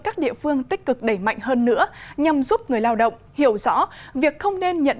các địa phương tích cực đẩy mạnh hơn nữa nhằm giúp người lao động hiểu rõ việc không nên nhận